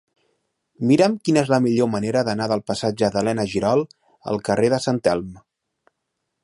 Mira'm quina és la millor manera d'anar del passatge d'Elena Girol al carrer de Sant Elm.